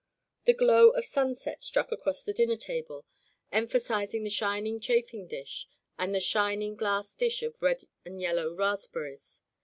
The glow of sun set struck across the dinner table, emphasiz ing the shining chafing dish and the large glass dish of red and yellow raspberries.